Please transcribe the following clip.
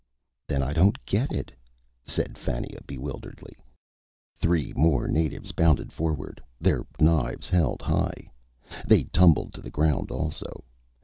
"Then I don't get it," said Fannia bewilderedly. Three more natives bounded forward, their knives held high. They tumbled to the ground also.